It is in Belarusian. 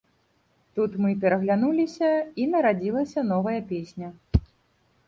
Тут мы пераглянуліся і нарадзілася новая песня.